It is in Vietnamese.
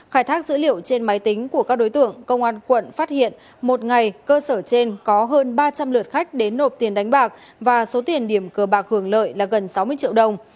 khai thác dữ liệu trên máy tính của các đối tượng công an quận phát hiện một ngày cơ sở trên có hơn ba trăm linh lượt khách đến nộp tiền đánh bạc và số tiền điểm cờ bạc hưởng lợi là gần sáu mươi triệu đồng